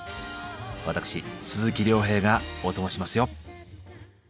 私鈴木亮平がオトモしますよ。